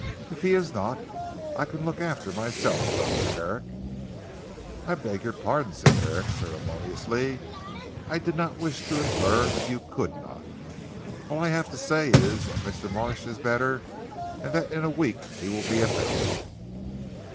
If he is not, I can look after myself Dr. Herrick." "I beg your pardon," said Herrick ceremoniously, "I did not wish to infer that you could not. All I have to say is that Mr. Marsh is better, and that in a week he will be about."